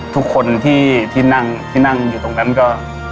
ทุกคนที่นั่งอยู่ตรงนั้นก็